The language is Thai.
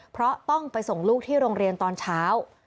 เพราะต้องไปส่งลูกที่โรงเรียนตอนเช้า